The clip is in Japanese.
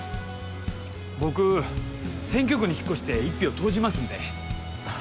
僕選挙区に引っ越して一票投じますんで。